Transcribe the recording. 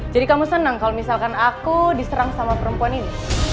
jadi kamu senang kalau misalkan aku diserang sama perempuan ini